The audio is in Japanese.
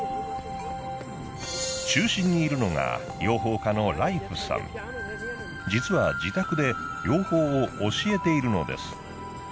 中心にいるのが実は自宅で養蜂を教えているのです。